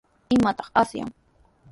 ¿Imataq asyan?